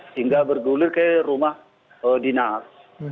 sehingga bergulir ke rumah dinas